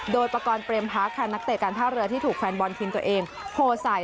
โดยประกอบเรียมพักค่ะนักเตะการท่าเรือที่ถูกแฟนบอลทีมตัวเองโพลใส่